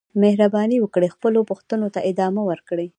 مهرباني وکړئ خپلو پوښتنو ته ادامه ورکړئ.